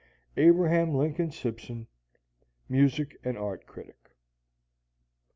ABRAHAM LINCOLN SIMPSON, Music and Art Critic.